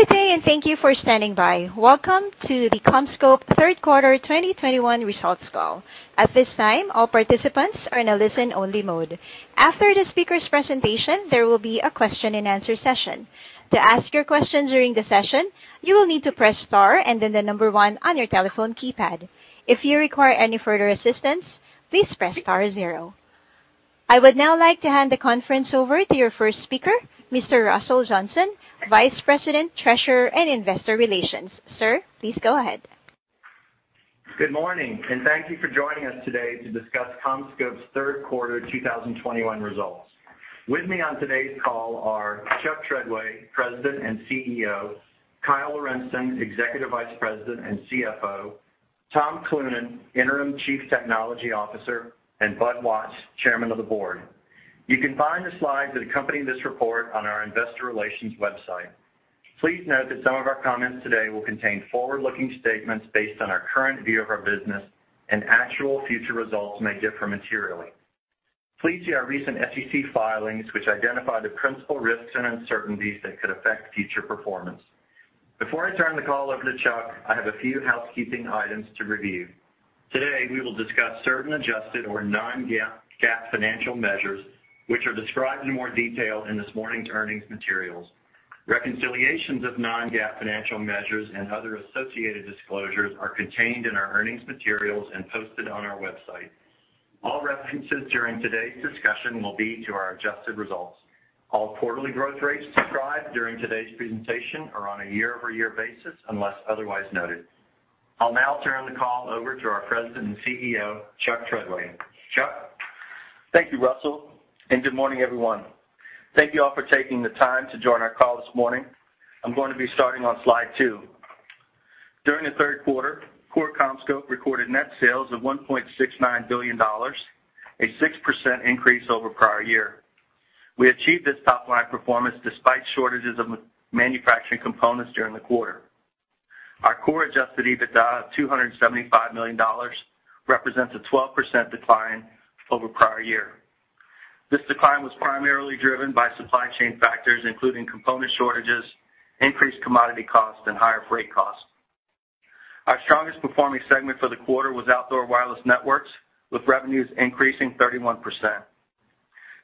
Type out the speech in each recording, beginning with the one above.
Good day, thank you for standing by. Welcome to the CommScope third quarter 2021 results call. At this time, all participants are in a listen-only mode. After the speaker's presentation, there will be a question and answer session. To ask your question during the session, you will need to press star and then the number one on your telephone keypad. If you require any further assistance, please press star zero. I would now like to hand the conference over to your first speaker, Mr. Russell Johnson, Vice President, Treasurer, and Investor Relations. Sir, please go ahead. Good morning, thank you for joining us today to discuss CommScope's third quarter 2021 results. With me on today's call are Chuck Treadway, President and CEO; Kyle Lorentzen, Executive Vice President and CFO; Tom Cloonan, Interim Chief Technology Officer; and Bud Watts, Chairman of the Board. You can find the slides that accompany this report on our investor relations website. Please note that some of our comments today will contain forward-looking statements based on our current view of our business and actual future results may differ materially. Please see our recent SEC filings, which identify the principal risks and uncertainties that could affect future performance. Before I turn the call over to Chuck, I have a few housekeeping items to review. Today, we will discuss certain adjusted or non-GAAP financial measures, which are described in more detail in this morning's earnings materials. Reconciliations of non-GAAP financial measures and other associated disclosures are contained in our earnings materials and posted on our website. All references during today's discussion will be to our adjusted results. All quarterly growth rates described during today's presentation are on a year-over-year basis, unless otherwise noted. I'll now turn the call over to our President and CEO, Chuck Treadway. Chuck? Thank you, Russell, good morning, everyone. Thank you all for taking the time to join our call this morning. I'm going to be starting on slide two. During the third quarter, core CommScope recorded net sales of $1.69 billion, a 6% increase over prior year. We achieved this top-line performance despite shortages of manufacturing components during the quarter. Our core adjusted EBITDA of $275 million represents a 12% decline over prior year. This decline was primarily driven by supply chain factors, including component shortages, increased commodity costs, and higher freight costs. Our strongest performing segment for the quarter was Outdoor Wireless Networks, with revenues increasing 31%.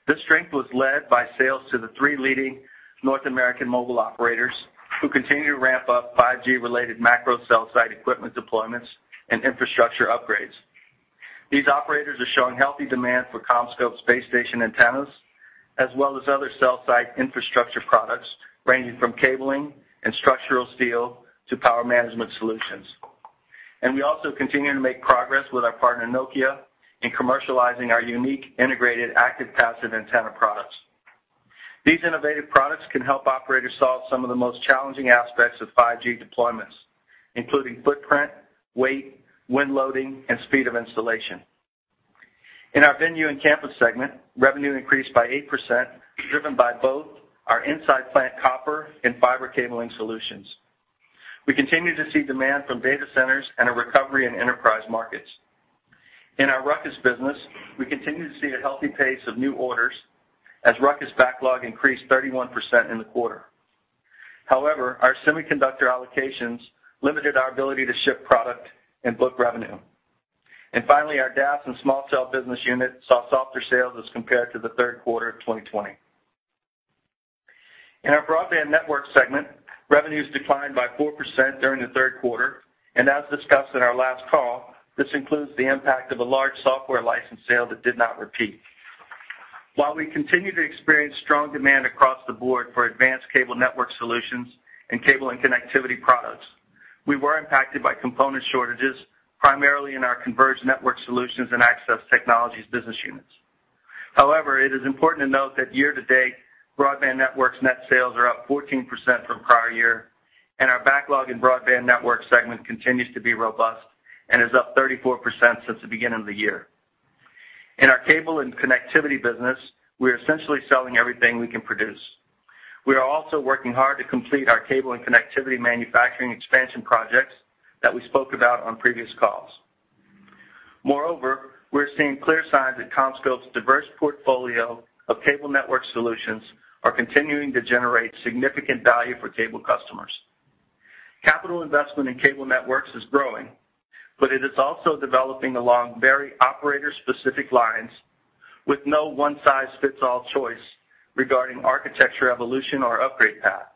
This strength was led by sales to the three leading North American mobile operators who continue to ramp up 5G related macro cell site equipment deployments and infrastructure upgrades. These operators are showing healthy demand for CommScope base station antennas, as well as other cell site infrastructure products ranging from cabling and structural steel to power management solutions. We also continue to make progress with our partner Nokia in commercializing our unique integrated active passive antenna products. These innovative products can help operators solve some of the most challenging aspects of 5G deployments, including footprint, weight, wind loading, and speed of installation. In our venue and campus segment, revenue increased by 8%, driven by both our inside plant copper and fiber cabling solutions. We continue to see demand from data centers and a recovery in enterprise markets. In our RUCKUS business, we continue to see a healthy pace of new orders as RUCKUS backlog increased 31% in the quarter. Our semiconductor allocations limited our ability to ship product and book revenue. Finally, our DAS and small cell business unit saw softer sales as compared to the third quarter of 2020. In our broadband network segment, revenues declined by 4% during the third quarter. As discussed in our last call, this includes the impact of a large software license sale that did not repeat. We continue to experience strong demand across the board for advanced cable network solutions and cable and connectivity products. We were impacted by component shortages, primarily in our converged network solutions and access technologies business units. It is important to note that year-to-date, broadband networks net sales are up 14% from prior year, and our backlog in broadband network segment continues to be robust and is up 34% since the beginning of the year. In our cable and connectivity business, we are essentially selling everything we can produce. We are also working hard to complete our cable and connectivity manufacturing expansion projects that we spoke about on previous calls. Moreover, we're seeing clear signs that CommScope's diverse portfolio of cable network solutions are continuing to generate significant value for cable customers. Capital investment in cable networks is growing. It is also developing along very operator-specific lines with no one-size-fits-all choice regarding architecture evolution or upgrade path.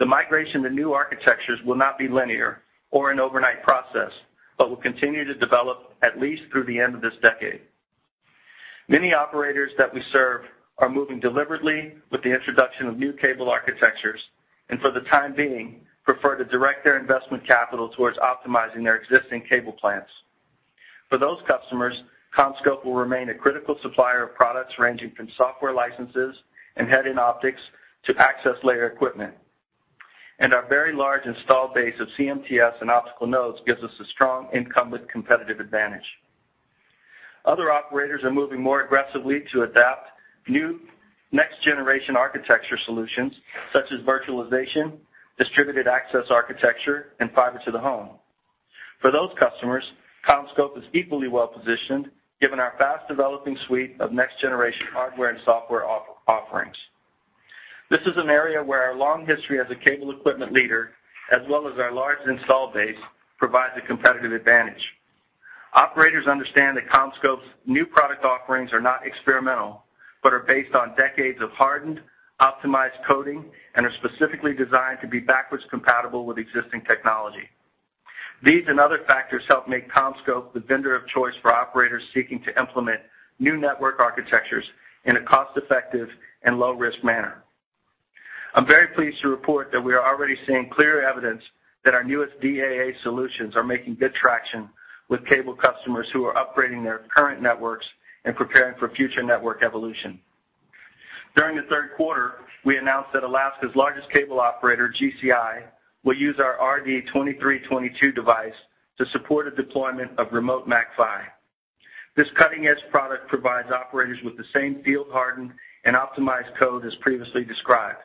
The migration to new architectures will not be linear or an overnight process, but will continue to develop at least through the end of this decade. Many operators that we serve are moving deliberately with the introduction of new cable architectures. For the time being, prefer to direct their investment capital towards optimizing their existing cable plants. For those customers, CommScope will remain a critical supplier of products ranging from software licenses and headend optics to access layer equipment. Our very large install base of CMTS and optical nodes gives us a strong incumbent competitive advantage. Other operators are moving more aggressively to adapt new next generation architecture solutions such as virtualization, Distributed Access Architecture, and Fiber to the Home. For those customers, CommScope is equally well-positioned given our fast-developing suite of next-generation hardware and software offerings. This is an area where our long history as a cable equipment leader, as well as our large install base, provides a competitive advantage. Operators understand that CommScope's new product offerings are not experimental, but are based on decades of hardened, optimized coding, and are specifically designed to be backwards compatible with existing technology. These and other factors help make CommScope the vendor of choice for operators seeking to implement new network architectures in a cost-effective and low-risk manner. I'm very pleased to report that we are already seeing clear evidence that our newest DAA solutions are making good traction with cable customers who are upgrading their current networks and preparing for future network evolution. During the third quarter, we announced that Alaska's largest cable operator, GCI, will use our RD2322 device to support a deployment of Remote MAC-PHY. This cutting-edge product provides operators with the same field hardened and optimized code as previously described.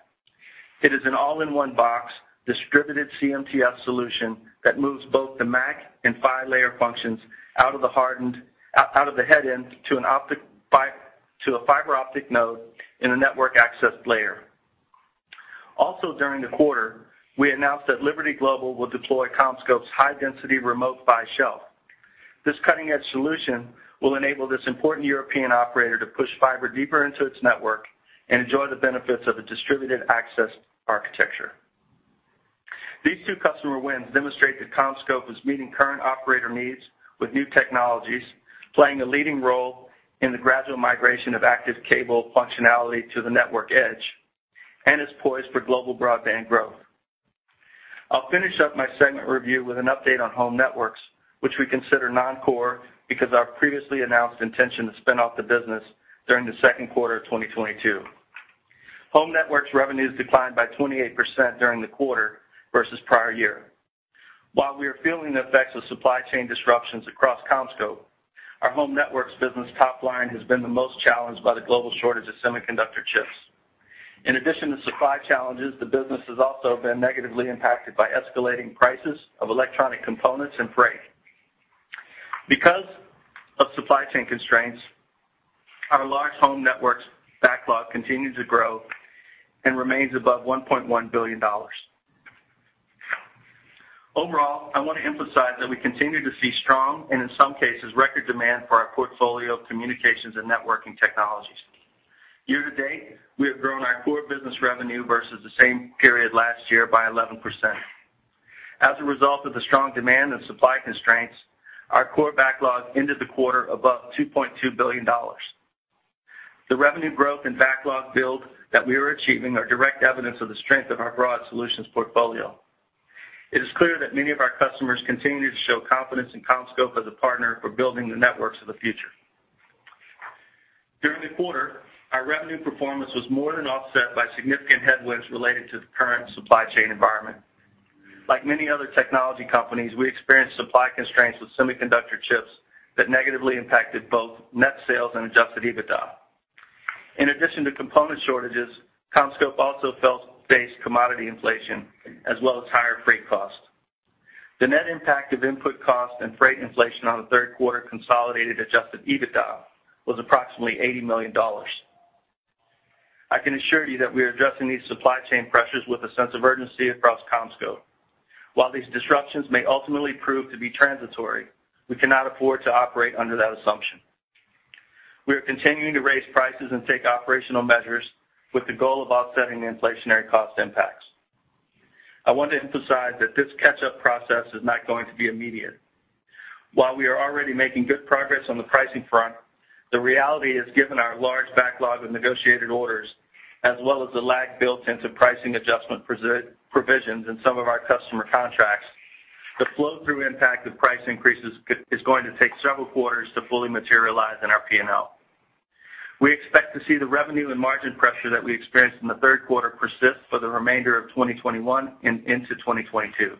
It is an all-in-one box, distributed CMTS solution that moves both the MAC and PHY layer functions out of the headend to a fiber optic node in a network access layer. Also during the quarter, we announced that Liberty Global will deploy CommScope's high density Remote PHY shelf. This cutting-edge solution will enable this important European operator to push fiber deeper into its network and enjoy the benefits of a Distributed Access Architecture. These two customer wins demonstrate that CommScope is meeting current operator needs with new technologies, playing a leading role in the gradual migration of active cable functionality to the network edge and is poised for global broadband growth. I'll finish up my segment review with an update on home networks, which we consider non-core because our previously announced intention to spin off the business during the second quarter of 2022. Home networks revenues declined by 28% during the quarter versus prior year. While we are feeling the effects of supply chain disruptions across CommScope, our home networks business top line has been the most challenged by the global shortage of semiconductor chips. In addition to supply challenges, the business has also been negatively impacted by escalating prices of electronic components and freight. Because of supply chain constraints, our large home networks backlog continues to grow and remains above $1.1 billion. Overall, I want to emphasize that we continue to see strong, and in some cases, record demand for our portfolio of communications and networking technologies. Year-to-date, we have grown our core business revenue versus the same period last year by 11%. As a result of the strong demand and supply constraints, our core backlog ended the quarter above $2.2 billion. The revenue growth and backlog build that we are achieving are direct evidence of the strength of our broad solutions portfolio. It is clear that many of our customers continue to show confidence in CommScope as a partner for building the networks of the future. During the quarter, our revenue performance was more than offset by significant headwinds related to the current supply chain environment. Like many other technology companies, we experienced supply constraints with semiconductor chips that negatively impacted both net sales and adjusted EBITDA. In addition to component shortages, CommScope also faced commodity inflation as well as higher freight costs. The net impact of input costs and freight inflation on the third quarter consolidated adjusted EBITDA was approximately $80 million. I can assure you that we are addressing these supply chain pressures with a sense of urgency across CommScope. While these disruptions may ultimately prove to be transitory, we cannot afford to operate under that assumption. We are continuing to raise prices and take operational measures with the goal of offsetting the inflationary cost impacts. I want to emphasize that this catch-up process is not going to be immediate. While we are already making good progress on the pricing front, the reality is, given our large backlog of negotiated orders, as well as the lag built into pricing adjustment provisions in some of our customer contracts, the flow-through impact of price increases is going to take several quarters to fully materialize in our P&L. We expect to see the revenue and margin pressure that we experienced in the third quarter persist for the remainder of 2021 and into 2022.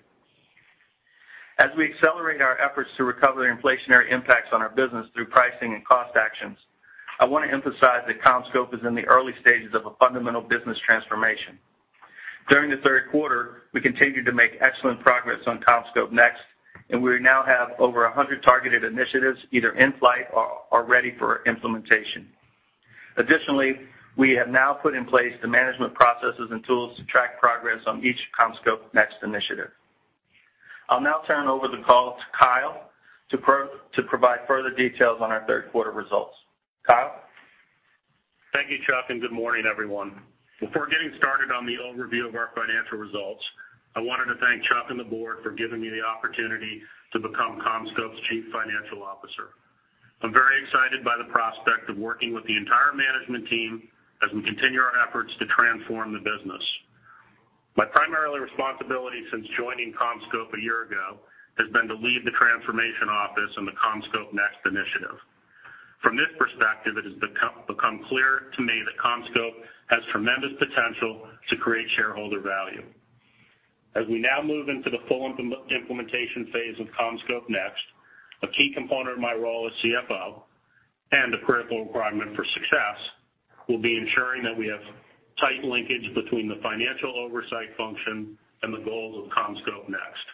As we accelerate our efforts to recover the inflationary impacts on our business through pricing and cost actions, I want to emphasize that CommScope is in the early stages of a fundamental business transformation. During the third quarter, we continued to make excellent progress on CommScope Next, and we now have over 100 targeted initiatives either in flight or are ready for implementation. Additionally, we have now put in place the management processes and tools to track progress on each CommScope Next initiative. I'll now turn over the call to Kyle to provide further details on our third quarter results. Kyle? Thank you, Chuck, and good morning, everyone. Before getting started on the overview of our financial results, I wanted to thank Chuck and the board for giving me the opportunity to become CommScope's Chief Financial Officer. I'm very excited by the prospect of working with the entire management team as we continue our efforts to transform the business. My primary responsibility since joining CommScope a year ago has been to lead the transformation office and the CommScope Next initiative. From this perspective, it has become clear to me that CommScope has tremendous potential to create shareholder value. As we now move into the full implementation phase of CommScope Next, a key component of my role as CFO and the critical requirement for success will be ensuring that we have tight linkage between the financial oversight function and the goals of CommScope Next.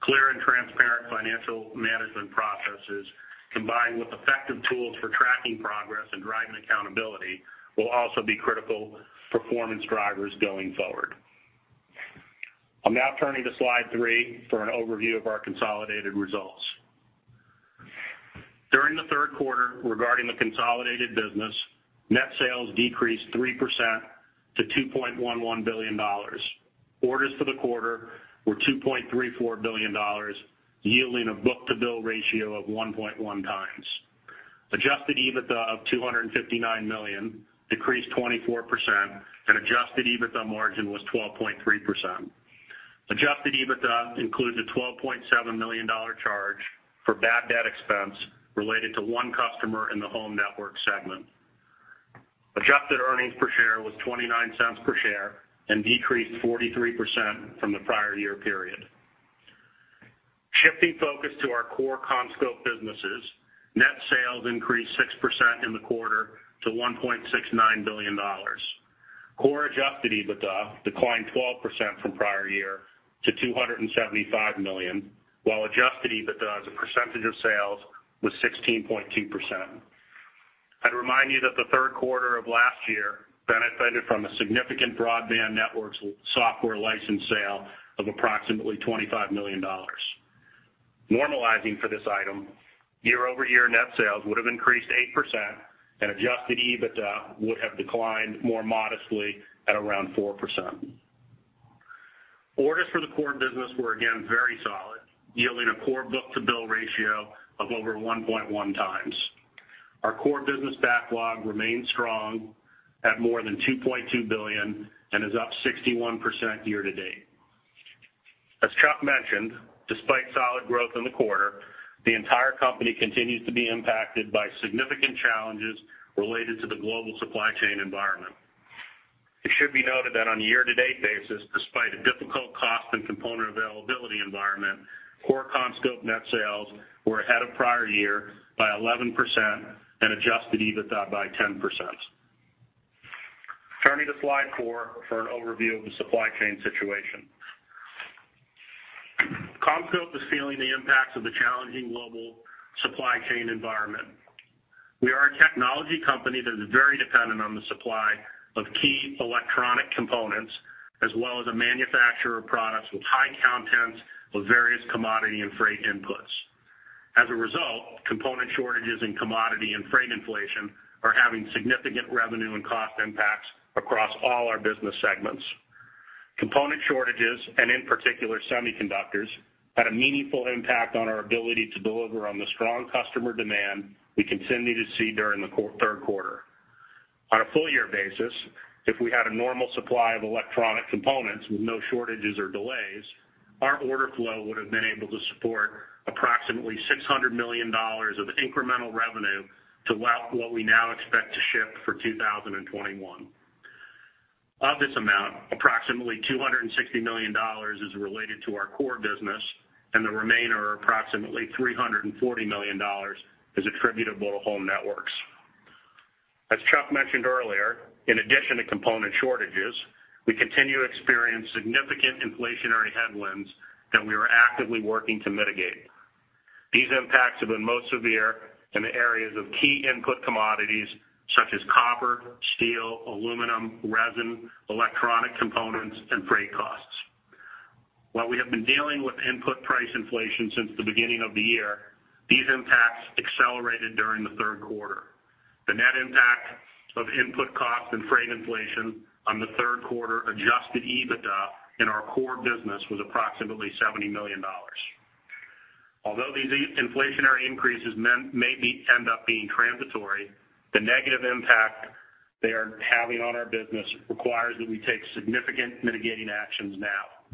Clear and transparent financial management processes, combined with effective tools for tracking progress and driving accountability, will also be critical performance drivers going forward. I'm now turning to slide three for an overview of our consolidated results. During the third quarter regarding the consolidated business, net sales decreased 3% to $2.11 billion. Orders for the quarter were $2.34 billion, yielding a book-to-bill ratio of 1.1 times. Adjusted EBITDA of $259 million, decreased 24%, and adjusted EBITDA margin was 12.3%. Adjusted EBITDA includes a $12.7 million charge for bad debt expense related to one customer in the Home Network segment. Adjusted earnings per share was $0.29 per share and decreased 43% from the prior year period. Shifting focus to our core CommScope businesses, net sales increased 6% in the quarter to $1.69 billion. Core adjusted EBITDA declined 12% from prior year to $275 million, while adjusted EBITDA as a percentage of sales was 16.2%. I'd remind you that the third quarter of last year benefited from a significant broadband networks software license sale of approximately $25 million. Normalizing for this item, year-over-year net sales would have increased 8%, and adjusted EBITDA would have declined more modestly at around 4%. Orders for the core business were again very solid, yielding a core book-to-bill ratio of over 1.1 times. Our core business backlog remains strong at more than $2.2 billion and is up 61% year to date. As Chuck mentioned, despite solid growth in the quarter, the entire company continues to be impacted by significant challenges related to the global supply chain environment. It should be noted that on a year-to-date basis, despite a difficult cost and component availability environment, core CommScope net sales were ahead of prior year by 11% and adjusted EBITDA by 10%. Turning to slide four for an overview of the supply chain situation. CommScope is feeling the impacts of the challenging global supply chain environment. We are a technology company that is very dependent on the supply of key electronic components as well as a manufacturer of products with high contents of various commodity and freight inputs. As a result, component shortages and commodity and freight inflation are having significant revenue and cost impacts across all our business segments. Component shortages, and in particular semiconductors, had a meaningful impact on our ability to deliver on the strong customer demand we continued to see during the third quarter. On a full year basis, if we had a normal supply of electronic components with no shortages or delays, our order flow would've been able to support approximately $600 million of incremental revenue to what we now expect to ship for 2021. Of this amount, approximately $260 million is related to our core business, and the remainder, approximately $340 million, is attributable to Home Networks. As Chuck mentioned earlier, in addition to component shortages, we continue to experience significant inflationary headwinds that we are actively working to mitigate. These impacts have been most severe in the areas of key input commodities such as copper, steel, aluminum, resin, electronic components, and freight costs. While we have been dealing with input price inflation since the beginning of the year, these impacts accelerated during the third quarter. The net impact of input cost and freight inflation on the third quarter adjusted EBITDA in our core business was approximately $70 million. Although these inflationary increases may end up being transitory, the negative impact they are having on our business requires that we take significant mitigating actions now.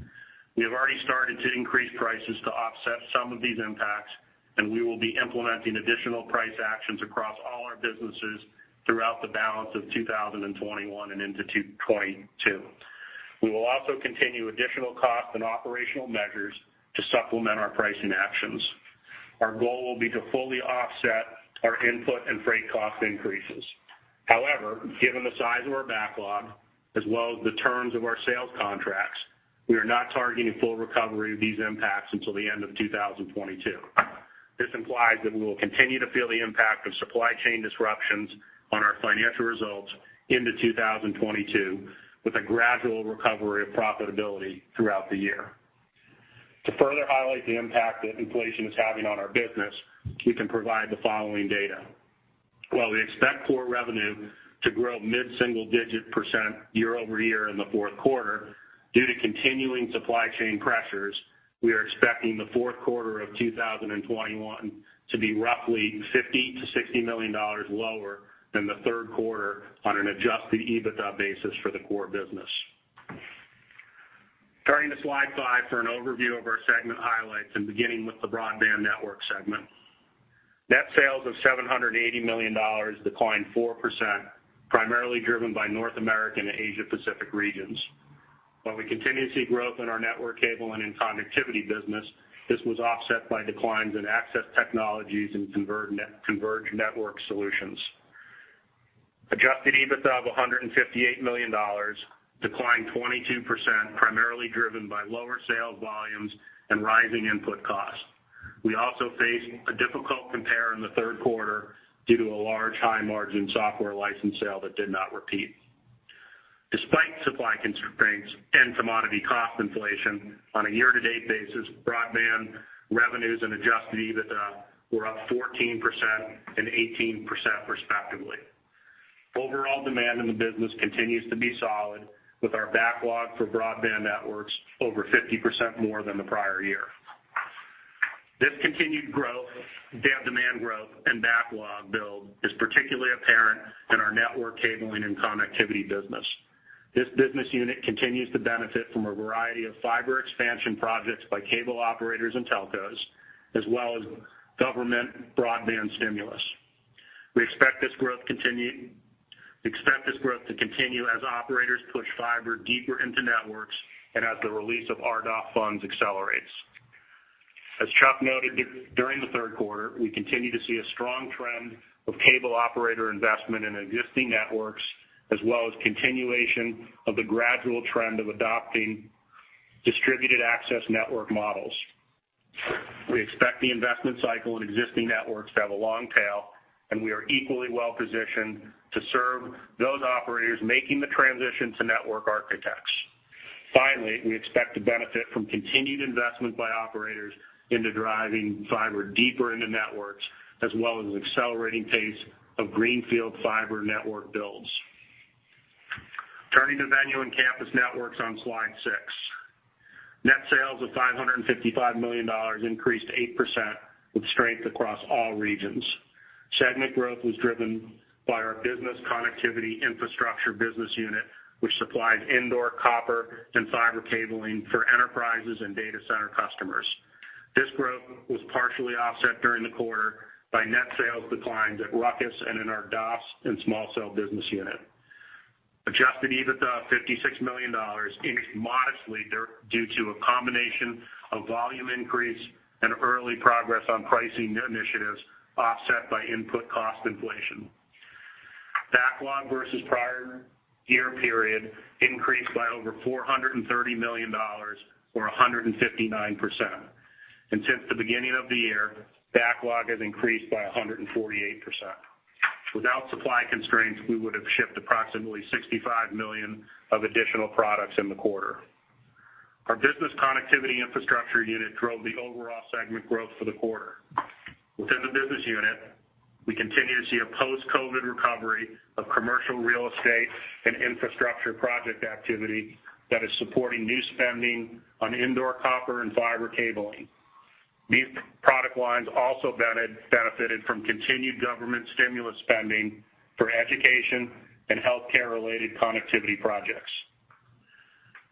We have already started to increase prices to offset some of these impacts, and we will be implementing additional price actions across all our businesses throughout the balance of 2021 and into 2022. We will also continue additional cost and operational measures to supplement our pricing actions. Our goal will be to fully offset our input and freight cost increases. However, given the size of our backlog as well as the terms of our sales contracts, we are not targeting full recovery of these impacts until the end of 2022. This implies that we will continue to feel the impact of supply chain disruptions on our financial results into 2022, with a gradual recovery of profitability throughout the year. To further highlight the impact that inflation is having on our business, we can provide the following data. While we expect core revenue to grow mid-single digit % year-over-year in the fourth quarter, due to continuing supply chain pressures, we are expecting the fourth quarter of 2021 to be roughly $50 million-$60 million lower than the third quarter on an adjusted EBITDA basis for the core business. Turning to slide five for an overview of our segment highlights and beginning with the Broadband Network segment. Net sales of $780 million, declined 4%, primarily driven by North American and Asia Pacific regions. While we continue to see growth in our network cable and interconnectivity business, this was offset by declines in access technologies and converged network solutions. Adjusted EBITDA of $158 million, declined 22%, primarily driven by lower sales volumes and rising input costs. We also faced a difficult compare in the third quarter due to a large high-margin software license sale that did not repeat. Despite supply constraints and commodity cost inflation, on a year-to-date basis, broadband revenues and adjusted EBITDA were up 14% and 18% respectively. Overall demand in the business continues to be solid, with our backlog for broadband networks over 50% more than the prior year. This continued demand growth and backlog build is particularly apparent in our network cabling and connectivity business. This business unit continues to benefit from a variety of fiber expansion projects by cable operators and telcos, as well as government broadband stimulus. We expect this growth to continue as operators push fiber deeper into networks and as the release of RDOF funds accelerates. As Chuck noted, during the third quarter, we continued to see a strong trend of cable operator investment in existing networks, as well as continuation of the gradual trend of adopting distributed access network models. We expect the investment cycle in existing networks to have a long tail, and we are equally well-positioned to serve those operators making the transition to network architects. Finally, we expect to benefit from continued investment by operators into driving fiber deeper into networks, as well as accelerating pace of greenfield fiber network builds. Turning to venue and campus networks on slide six. Net sales of $555 million increased 8% with strength across all regions. Segment growth was driven by our business connectivity infrastructure business unit, which supplies indoor copper and fiber cabling for enterprises and data center customers. This growth was partially offset during the quarter by net sales declines at RUCKUS and in our DAS and small cell business unit. Adjusted EBITDA of $56 million increased modestly due to a combination of volume increase and early progress on pricing initiatives, offset by input cost inflation. Backlog versus prior year period increased by over $430 million, or 159%. Since the beginning of the year, backlog has increased by 148%. Without supply constraints, we would have shipped approximately 65 million of additional products in the quarter. Our business connectivity infrastructure unit drove the overall segment growth for the quarter. Within the business unit, we continue to see a post-COVID recovery of commercial real estate and infrastructure project activity that is supporting new spending on indoor copper and fiber cabling. These product lines also benefited from continued government stimulus spending for education and healthcare-related connectivity projects.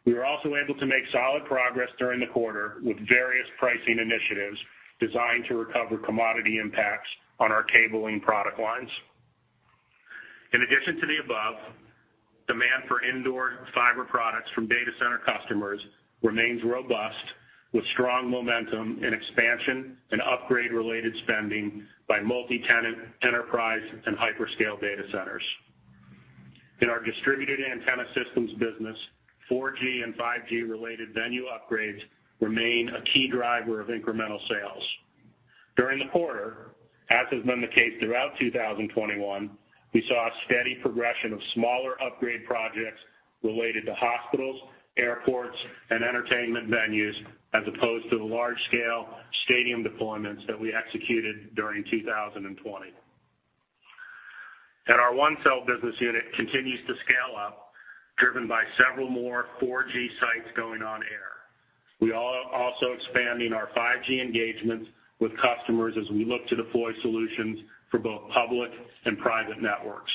We were also able to make solid progress during the quarter with various pricing initiatives designed to recover commodity impacts on our cabling product lines. In addition to the above, demand for indoor fiber products from data center customers remains robust, with strong momentum in expansion and upgrade related spending by multi-tenant, enterprise, and hyperscale data centers. In our distributed antenna systems business, 4G and 5G related venue upgrades remain a key driver of incremental sales. During the quarter, as has been the case throughout 2021, we saw a steady progression of smaller upgrade projects related to hospitals, airports, and entertainment venues, as opposed to the large-scale stadium deployments that we executed during 2020. Our OneCell business unit continues to scale up, driven by several more 4G sites going on air. We are also expanding our 5G engagements with customers as we look to deploy solutions for both public and private networks.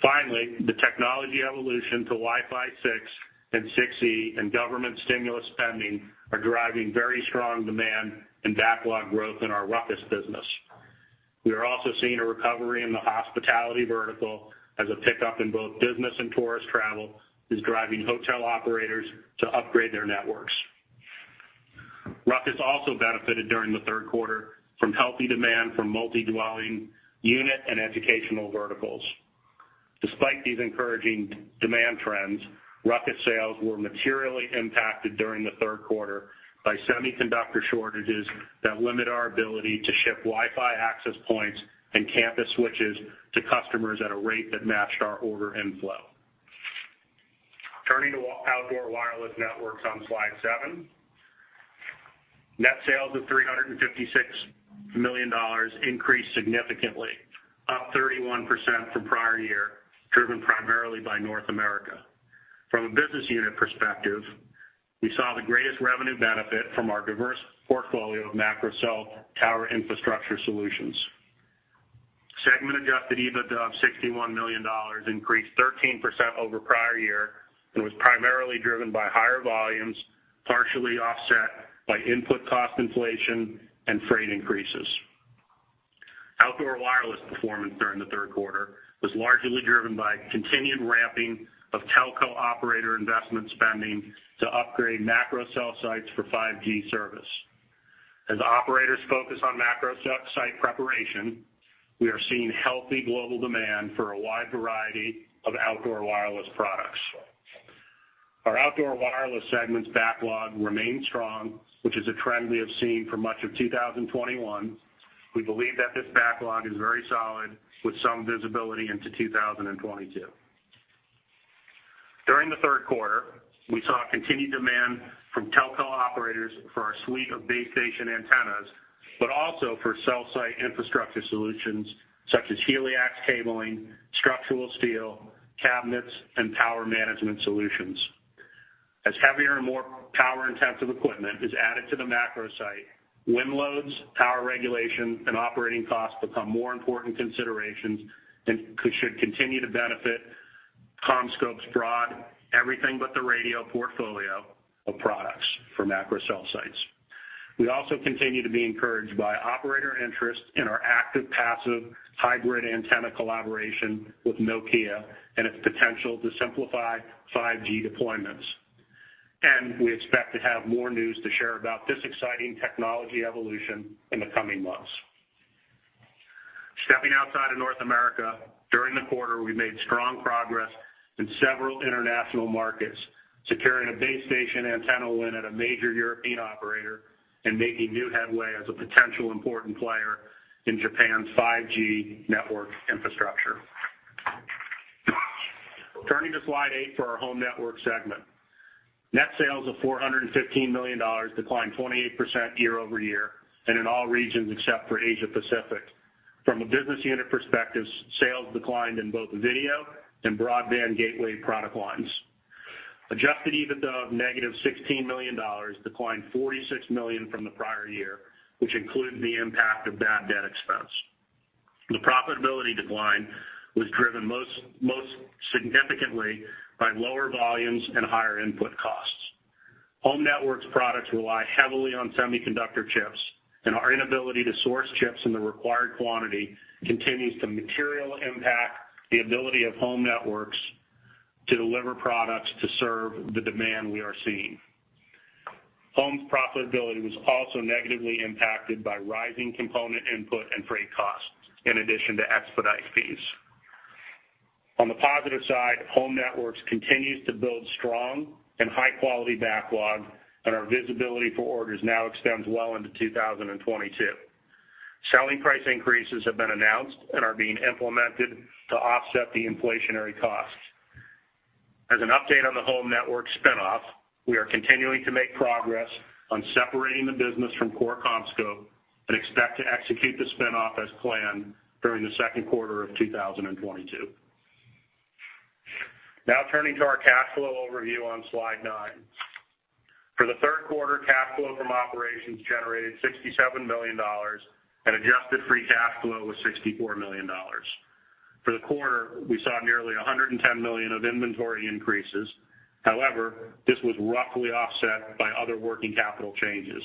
Finally, the technology evolution to Wi-Fi 6 and 6E and government stimulus spending are driving very strong demand and backlog growth in our RUCKUS business. We are also seeing a recovery in the hospitality vertical as a pickup in both business and tourist travel is driving hotel operators to upgrade their networks. RUCKUS also benefited during the third quarter from healthy demand from multi-dwelling unit and educational verticals. Despite these encouraging demand trends, RUCKUS sales were materially impacted during the third quarter by semiconductor shortages that limit our ability to ship Wi-Fi access points and campus switches to customers at a rate that matched our order inflow. Turning to outdoor wireless networks on slide seven. Net sales of $356 million increased significantly, up 31% from prior year, driven primarily by North America. From a business unit perspective, we saw the greatest revenue benefit from our diverse portfolio of macro cell tower infrastructure solutions. Segment adjusted EBITDA of $61 million increased 13% over prior year and was primarily driven by higher volumes, partially offset by input cost inflation and freight increases. Outdoor wireless performance during the third quarter was largely driven by continued ramping of telco operator investment spending to upgrade macro cell sites for 5G service. As operators focus on macro site preparation, we are seeing healthy global demand for a wide variety of outdoor wireless products. Our outdoor wireless segment's backlog remains strong, which is a trend we have seen for much of 2021. We believe that this backlog is very solid with some visibility into 2022. During the third quarter, we saw continued demand from telco operators for our suite of base station antennas, but also for cell site infrastructure solutions such as HELIAX cabling, structural steel, cabinets, and power management solutions. As heavier and more power-intensive equipment is added to the macro site, wind loads, power regulation, and operating costs become more important considerations and should continue to benefit CommScope's broad everything but the radio portfolio of products for macro cell sites. We also continue to be encouraged by operator interest in our active-passive hybrid antenna collaboration with Nokia and its potential to simplify 5G deployments. We expect to have more news to share about this exciting technology evolution in the coming months. Stepping outside of North America, during the quarter, we made strong progress in several international markets, securing a base station antenna win at a major European operator and making new headway as a potential important player in Japan's 5G network infrastructure. Turning to slide eight for our home network segment. Net sales of $415 million declined 28% year-over-year in all regions except for Asia-Pacific. From a business unit perspective, sales declined in both video and broadband gateway product lines. Adjusted EBITDA of negative $16 million declined $46 million from the prior year, which included the impact of bad debt expense. The profitability decline was driven most significantly by lower volumes and higher input costs. Home networks products rely heavily on semiconductor chips, and our inability to source chips in the required quantity continues to materially impact the ability of home networks to deliver products to serve the demand we are seeing. Home's profitability was also negatively impacted by rising component input and freight costs, in addition to expedite fees. On the positive side, home networks continues to build strong and high-quality backlog, and our visibility for orders now extends well into 2022. Selling price increases have been announced and are being implemented to offset the inflationary costs. As an update on the home network spin-off, we are continuing to make progress on separating the business from core CommScope and expect to execute the spin-off as planned during the second quarter of 2022. Now turning to our cash flow overview on slide nine. For the third quarter, cash flow from operations generated $67 million, and adjusted free cash flow was $64 million. For the quarter, we saw nearly $110 million of inventory increases. However, this was roughly offset by other working capital changes.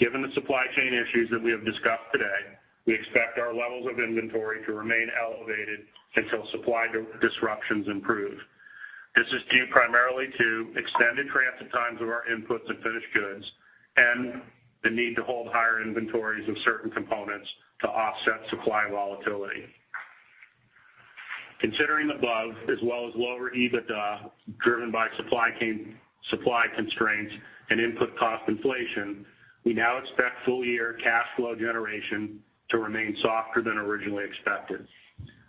Given the supply chain issues that we have discussed today, we expect our levels of inventory to remain elevated until supply disruptions improve. This is due primarily to extended transit times of our inputs and finished goods and the need to hold higher inventories of certain components to offset supply volatility. Considering the above, as well as lower EBITDA driven by supply constraints and input cost inflation, we now expect full-year cash flow generation to remain softer than originally expected.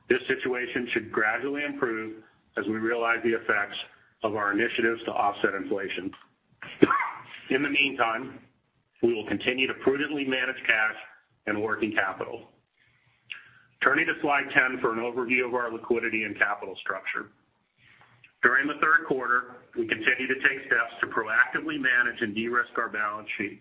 This situation should gradually improve as we realize the effects of our initiatives to offset inflation. In the meantime, we will continue to prudently manage cash and working capital. Turning to slide 10 for an overview of our liquidity and capital structure. During the third quarter, we continued to take steps to proactively manage and de-risk our balance sheet.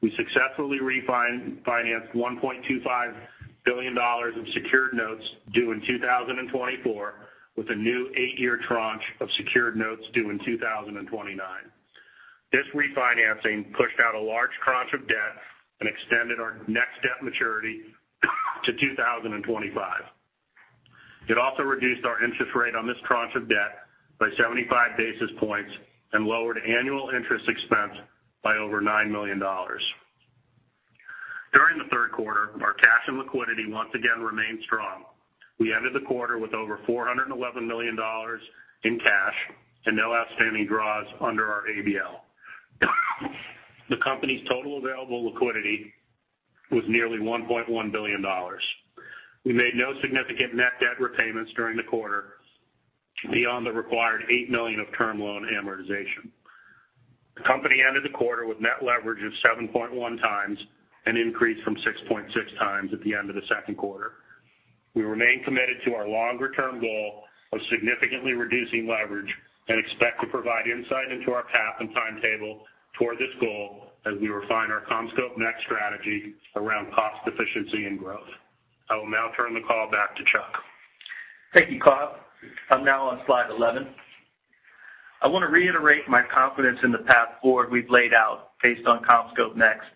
We successfully refinanced $1.25 billion of secured notes due in 2024 with a new eight-year tranche of secured notes due in 2029. This refinancing pushed out a large tranche of debt and extended our next debt maturity to 2025. It also reduced our interest rate on this tranche of debt by 75 basis points and lowered annual interest expense by over $9 million. During the third quarter, our cash and liquidity once again remained strong. We ended the quarter with over $411 million in cash and no outstanding draws under our ABL. The company's total available liquidity was nearly $1.1 billion. We made no significant net debt repayments during the quarter beyond the required $8 million of term loan amortization. The company ended the quarter with net leverage of 7.1 times, an increase from 6.6 times at the end of the second quarter. We remain committed to our longer-term goal of significantly reducing leverage and expect to provide insight into our path and timetable toward this goal as we refine our CommScope Next strategy around cost efficiency and growth. I will now turn the call back to Chuck. Thank you, Kyle. I'm now on slide 11. I want to reiterate my confidence in the path forward we've laid out based on CommScope Next,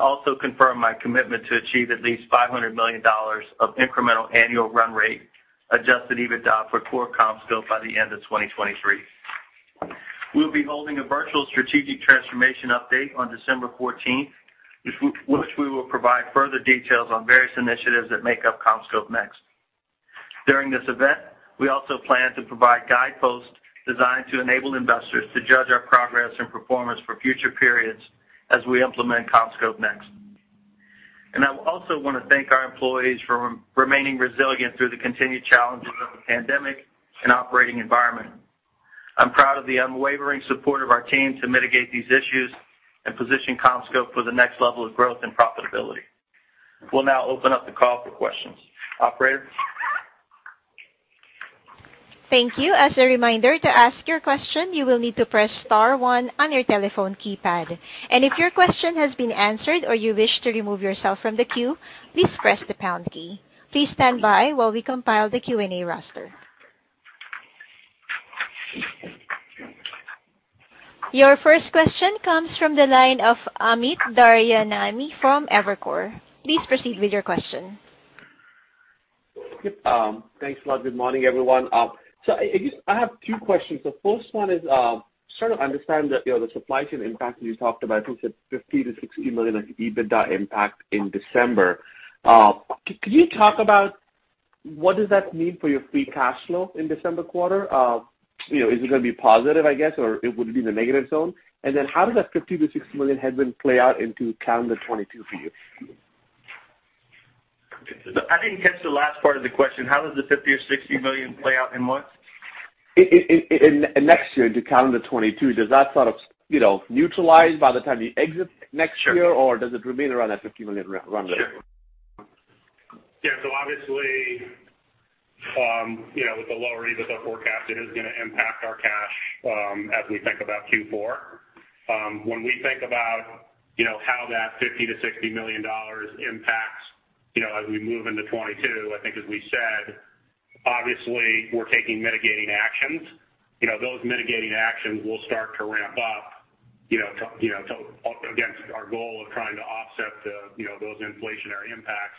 also confirm my commitment to achieve at least $500 million of incremental annual run rate, adjusted EBITDA for core CommScope by the end of 2023. We'll be holding a virtual strategic transformation update on December 14th, which we will provide further details on various initiatives that make up CommScope Next. During this event, we also plan to provide guideposts designed to enable investors to judge our progress and performance for future periods as we implement CommScope Next. I also want to thank our employees for remaining resilient through the continued challenges of the pandemic and operating environment. I'm proud of the unwavering support of our team to mitigate these issues and position CommScope for the next level of growth and profitability. We'll now open up the call for questions. Operator? Thank you. As a reminder, to ask your question, you will need to press star one on your telephone keypad. If your question has been answered or you wish to remove yourself from the queue, please press the pound key. Please stand by while we compile the Q&A roster. Your first question comes from the line of Amit Daryanani from Evercore. Please proceed with your question. Thanks a lot. Good morning, everyone. I have two questions. The first one is, sort of understand that the supply chain impact you talked about, I think you said $50 million-$60 million of EBITDA impact in December. Could you talk about what does that mean for your free cash flow in December quarter? Is it going to be positive, I guess, or it would be in the negative zone? How does that $50 million-$60 million headwind play out into calendar 2022 for you? I didn't catch the last part of the question. How does the $50 million or $60 million play out in what? In next year, into calendar 2022. Does that sort of neutralize by the time you exit next year? Sure. Does it remain around that $50 million run rate? Sure. Obviously, with the lower EBITDA forecast, it is going to impact our cash as we think about Q4. When we think about how that $50 million to $60 million impacts as we move into 2022, I think as we said, obviously we're taking mitigating actions. Those mitigating actions will start to ramp up against our goal of trying to offset those inflationary impacts.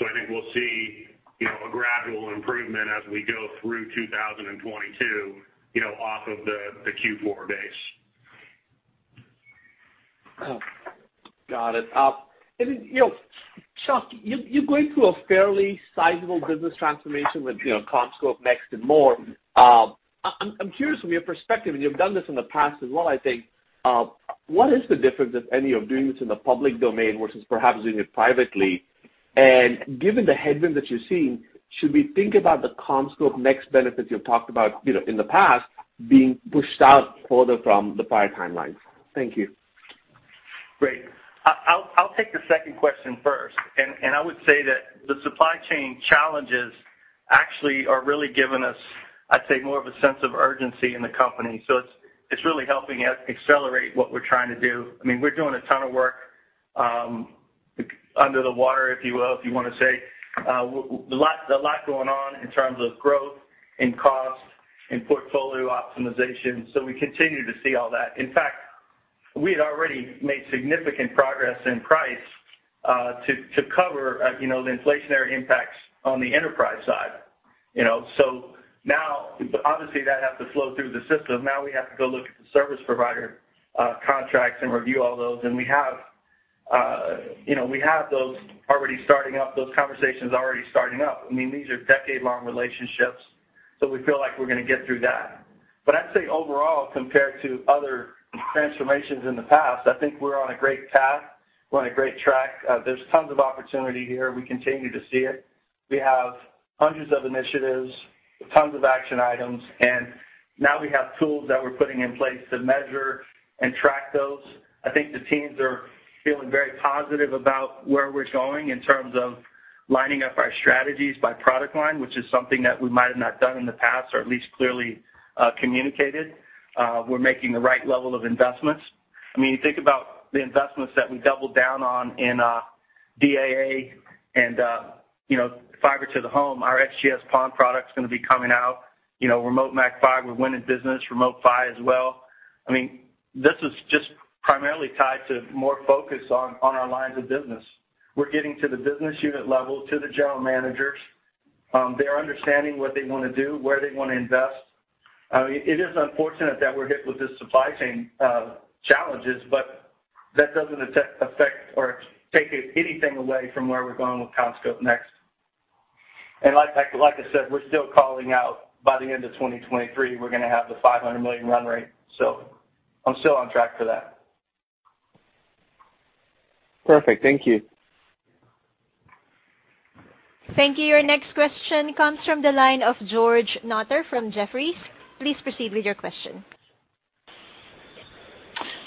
I think we'll see a gradual improvement as we go through 2022 off of the Q4 base. Got it. Chuck, you're going through a fairly sizable business transformation with CommScope Next and more. I'm curious from your perspective, and you've done this in the past as well, I think. What is the difference, if any, of doing this in the public domain versus perhaps doing it privately? Given the headwind that you're seeing, should we think about the CommScope Next benefits you've talked about in the past being pushed out further from the prior timelines? Thank you. Great. I'll take the second question first. I would say that the supply chain challenges actually are really giving us, I'd say, more of a sense of urgency in the company. It's really helping us accelerate what we're trying to do. We're doing a ton of work under the water, if you will, if you want to say. A lot going on in terms of growth, in cost, in portfolio optimization. We continue to see all that. In fact, we had already made significant progress in price to cover the inflationary impacts on the enterprise side. Now, obviously, that has to flow through the system. Now we have to go look at the service provider contracts and review all those. We have those already starting up, those conversations already starting up. These are decade-long relationships, we feel like we're going to get through that. I'd say overall, compared to other transformations in the past, I think we're on a great path. We're on a great track. There's tons of opportunity here. We continue to see it. We have hundreds of initiatives, tons of action items. Now we have tools that we're putting in place to measure and track those. I think the teams are feeling very positive about where we're going in terms of lining up our strategies by product line, which is something that we might have not done in the past, or at least clearly communicated. We're making the right level of investments. You think about the investments that we doubled down on in DAA and Fiber to the Home. Our XGS-PON product's going to be coming out. Remote MAC-PHY, we win in business. Remote PHY as well. This is just primarily tied to more focus on our lines of business. We're getting to the business unit level, to the general managers. They're understanding what they want to do, where they want to invest. That doesn't affect or take anything away from where we're going with CommScope Next. Like I said, we're still calling out by the end of 2023, we're going to have the $500 million run rate. I'm still on track for that. Perfect. Thank you. Thank you. Your next question comes from the line of George Notter from Jefferies. Please proceed with your question.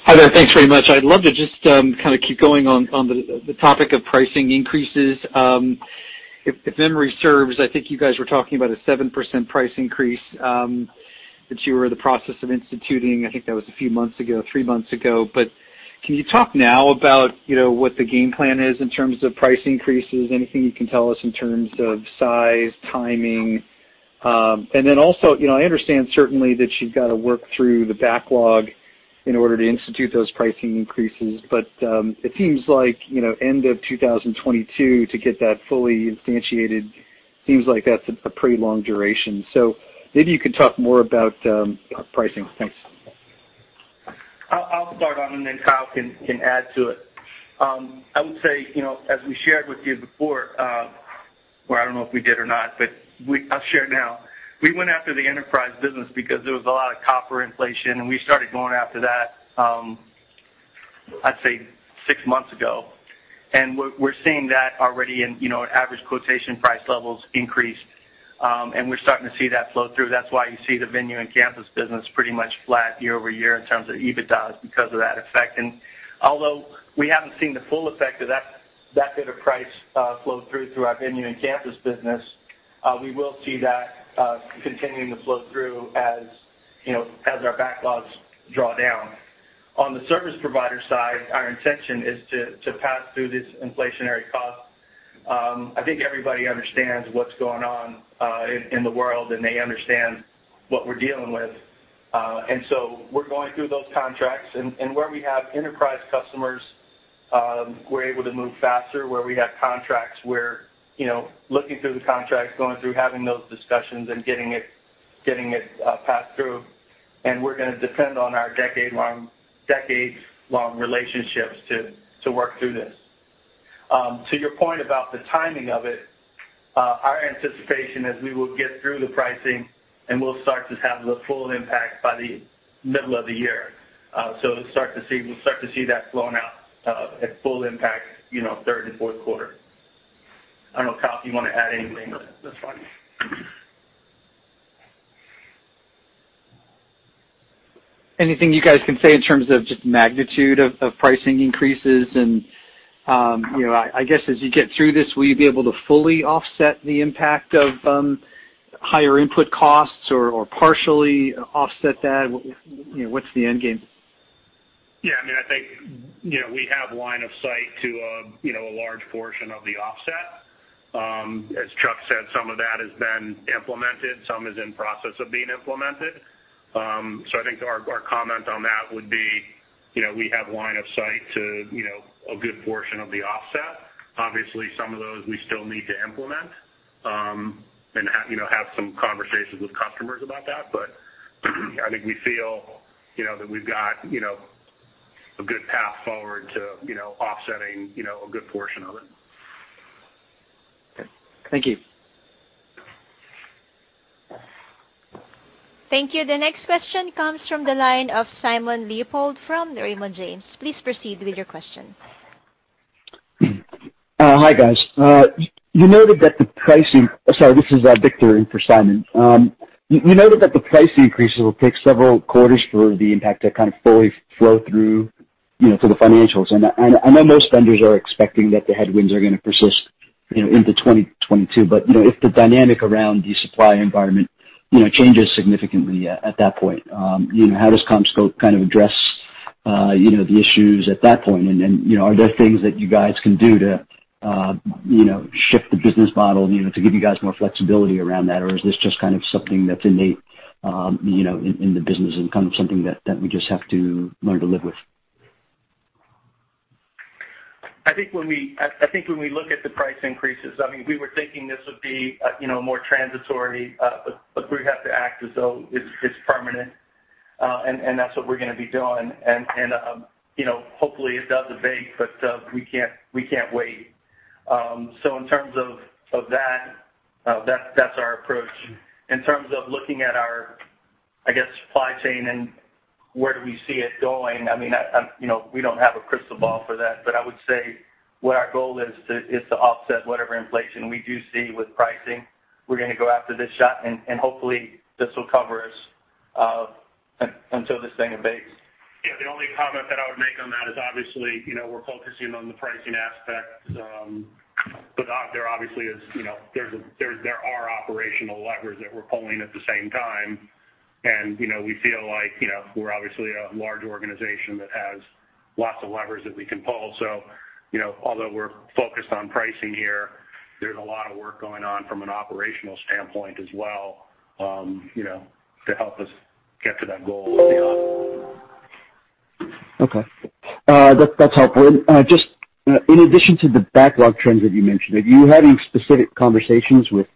Hi there. Thanks very much. I'd love to just keep going on the topic of pricing increases. If memory serves, I think you guys were talking about a 7% price increase that you were in the process of instituting. I think that was a few months ago, three months ago. Can you talk now about what the game plan is in terms of price increases? Anything you can tell us in terms of size, timing? Also, I understand certainly that you've got to work through the backlog in order to institute those pricing increases, it seems like end of 2022 to get that fully instantiated, seems like that's a pretty long duration. Maybe you could talk more about pricing. Thanks. I'll start on and then Kyle can add to it. I would say, as we shared with you before, or I don't know if we did or not, but I'll share now. We went after the enterprise business because there was a lot of copper inflation, and we started going after that, I'd say six months ago. We're seeing that already in average quotation price levels increased. We're starting to see that flow through. That's why you see the venue and campus business pretty much flat year-over-year in terms of EBITDA because of that effect. Although we haven't seen the full effect of that bit of price flow through our venue and campus business, we will see that continuing to flow through as our backlogs draw down. On the service provider side, our intention is to pass through this inflationary cost. I think everybody understands what's going on in the world, and they understand what we're dealing with. We're going through those contracts and where we have enterprise customers, we're able to move faster, where we have contracts we're looking through the contracts, going through having those discussions and getting it passed through. We're going to depend on our decades-long relationships to work through this. To your point about the timing of it, our anticipation is we will get through the pricing, and we'll start to have the full impact by the middle of the year. We'll start to see that flowing out at full impact, third and fourth quarter. I don't know, Kyle, if you want to add anything. No, that's fine. Anything you guys can say in terms of just magnitude of pricing increases and, I guess as you get through this, will you be able to fully offset the impact of higher input costs or partially offset that? What's the end game? I think we have line of sight to a large portion of the offset. As Chuck said, some of that has been implemented, some is in process of being implemented. I think our comment on that would be, we have line of sight to a good portion of the offset. Obviously, some of those we still need to implement, and have some conversations with customers about that, but I think we feel that we've got a good path forward to offsetting a good portion of it. Okay. Thank you. Thank you. The next question comes from the line of Simon Leopold from Raymond James. Please proceed with your question. Hi, guys. This is Victor in for Simon. You noted that the price increases will take several quarters for the impact to kind of fully flow through to the financials, I know most vendors are expecting that the headwinds are going to persist into 2022. If the dynamic around the supply environment changes significantly at that point, how does CommScope kind of address the issues at that point? Are there things that you guys can do to shift the business model to give you guys more flexibility around that? Is this just kind of something that's innate in the business and kind of something that we just have to learn to live with? I think when we look at the price increases, we were thinking this would be more transitory, but we have to act as though it's permanent. That's what we're going to be doing. Hopefully it does abate, but we can't wait. In terms of that's our approach. In terms of looking at our, I guess, supply chain and where do we see it going, we don't have a crystal ball for that, but I would say what our goal is to offset whatever inflation we do see with pricing. We're going to go after this shot, and hopefully this will cover us until this thing abates. Yeah, the only comment that I would make on that is obviously, we're focusing on the pricing aspect. There are operational levers that we're pulling at the same time, and we feel like we're obviously a large organization that has lots of levers that we can pull. Although we're focused on pricing here, there's a lot of work going on from an operational standpoint as well, to help us get to that goal. Okay. That's helpful. Just in addition to the backlog trends that you mentioned, are you having specific conversations with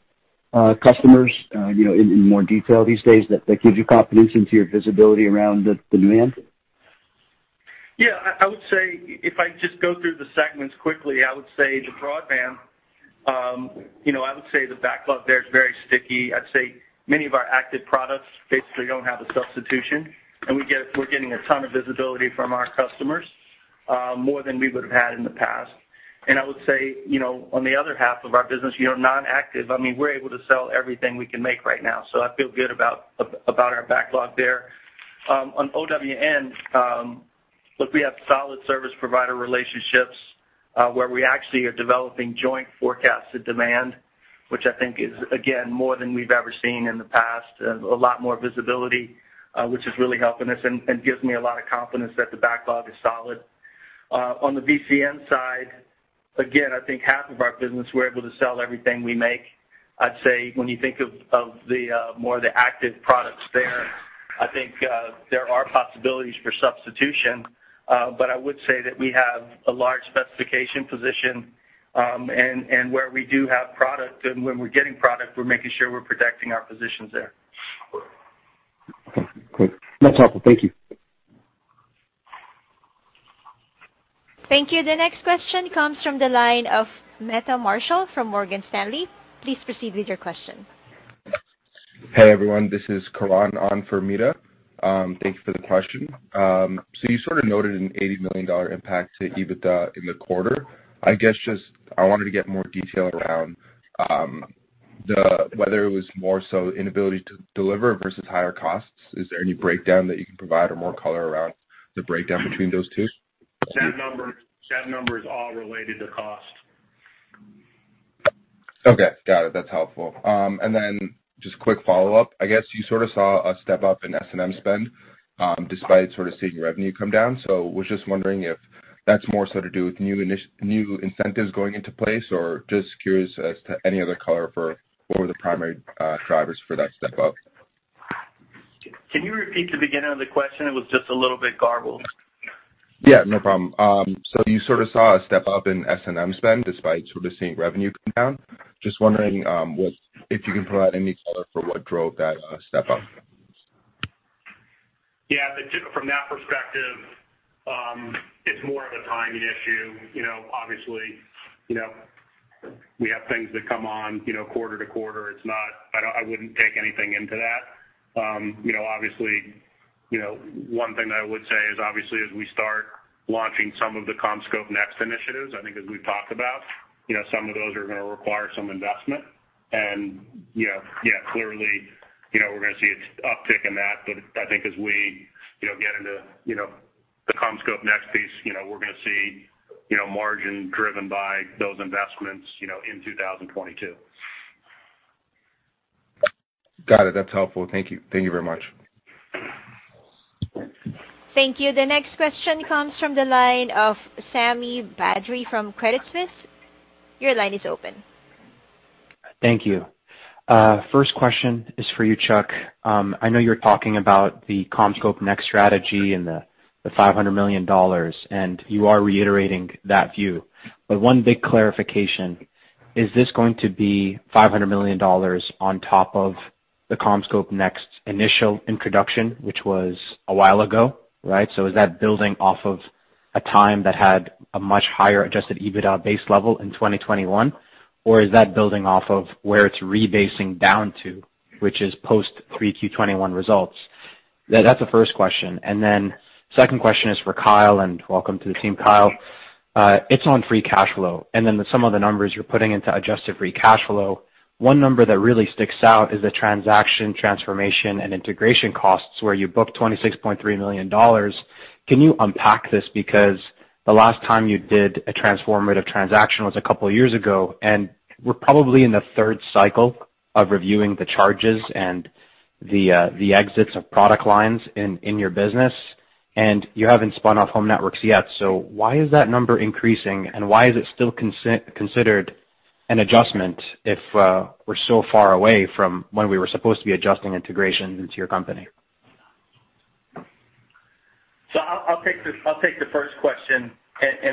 customers in more detail these days that gives you confidence into your visibility around the demand? Yeah, I would say if I just go through the segments quickly, I would say the broadband, I would say the backlog there is very sticky. I'd say many of our active products basically don't have a substitution, and we're getting a ton of visibility from our customers, more than we would have had in the past. I would say, on the other half of our business, non-active, we're able to sell everything we can make right now. I feel good about our backlog there. On OWN, look, we have solid service provider relationships Where we actually are developing joint forecasted demand, which I think is, again, more than we've ever seen in the past. A lot more visibility, which is really helping us and gives me a lot of confidence that the backlog is solid. On the VCN side, again, I think half of our business, we're able to sell everything we make. I'd say when you think of more the active products there, I think there are possibilities for substitution. I would say that we have a large specification position, and where we do have product and when we're getting product, we're making sure we're protecting our positions there. Okay, great. That's helpful. Thank you. Thank you. The next question comes from the line of Meta Marshall from Morgan Stanley. Please proceed with your question. Hey, everyone, this is Karan on for Meta. Thanks for the question. You sort of noted an $80 million impact to EBITDA in the quarter. I guess just, I wanted to get more detail around whether it was more so inability to deliver versus higher costs. Is there any breakdown that you can provide or more color around the breakdown between those two? That number is all related to cost. Okay, got it. That's helpful. Just quick follow-up, I guess you sort of saw a step-up in S&M spend, despite sort of seeing revenue come down. Was just wondering if that's more so to do with new initiatives, new incentives going into place, or just curious as to any other color for what were the primary drivers for that step-up. Can you repeat the beginning of the question? It was just a little bit garbled. Yeah, no problem. You sort of saw a step-up in S&M spend despite sort of seeing revenue come down. Just wondering if you can provide any color for what drove that step-up. Yeah, from that perspective, it's more of a timing issue. Obviously, we have things that come on quarter to quarter. I wouldn't take anything into that. One thing that I would say is obviously as we start launching some of the CommScope Next initiatives, I think as we've talked about, some of those are going to require some investment. Yeah, clearly, we're going to see an uptick in that. I think as we get into the CommScope Next piece, we're going to see margin driven by those investments in 2022. Got it. That's helpful. Thank you. Thank you very much. Thank you. The next question comes from the line of Sami Badri from Credit Suisse. Your line is open. Thank you. First question is for you, Chuck. I know you're talking about the CommScope Next strategy and the $500 million, you are reiterating that view. One big clarification, is this going to be $500 million on top of the CommScope Next initial introduction, which was a while ago, right? Is that building off of a time that had a much higher adjusted EBITDA base level in 2021? Or is that building off of where it's rebasing down to, which is post Q3 2021 results? That's the first question. Second question is for Kyle, and welcome to the team, Kyle. It's on free cash flow. Some of the numbers you're putting into adjusted free cash flow. One number that really sticks out is the transaction, transformation, and integration costs, where you booked $26.3 million. Can you unpack this? The last time you did a transformative transaction was a couple of years ago, and we're probably in the third cycle of reviewing the charges and the exits of product lines in your business. You haven't spun off Home Networks yet. Why is that number increasing, and why is it still considered an adjustment if we're so far away from when we were supposed to be adjusting integration into your company? I'll take the first question,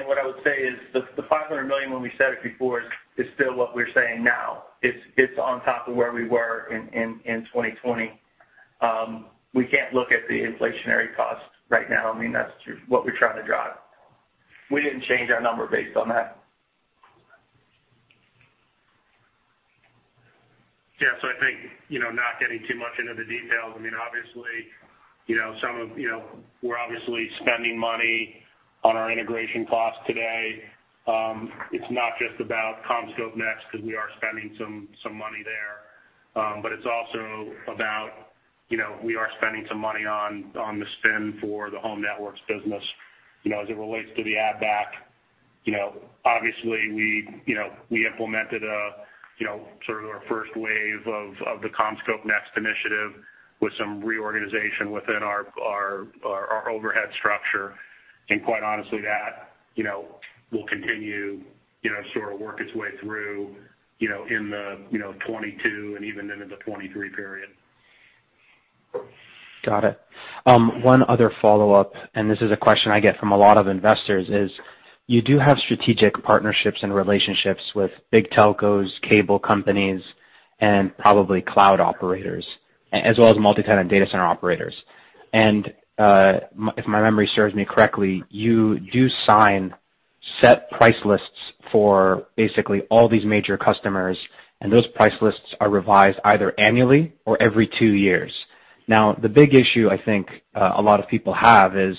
what I would say is the $500 million when we said it before is still what we're saying now. It's on top of where we were in 2020. We can't look at the inflationary cost right now. I mean, that's what we're trying to drive. We didn't change our number based on that. I think, not getting too much into the details, we're obviously spending money on our integration costs today. It's not just about CommScope Next because we are spending some money there. It's also about, we are spending some money on the spin for the Home Networks business. As it relates to the add back, obviously we implemented sort of our first wave of the CommScope Next initiative with some reorganization within our overhead structure. Quite honestly, that will continue, sort of work its way through in the 2022 and even into the 2023 period. Got it. One other follow-up, this is a question I get from a lot of investors, is you do have strategic partnerships and relationships with big telcos, cable companies, and probably cloud operators, as well as multi-tenant data center operators. If my memory serves me correctly, you do sign set price lists for basically all these major customers, and those price lists are revised either annually or every two years. The big issue I think a lot of people have is